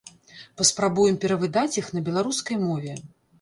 Паспрабуем перавыдаць іх на беларускай мове.